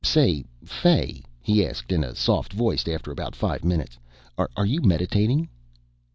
"Say, Fay," he asked in a soft voice after about five minutes, "are you meditating?"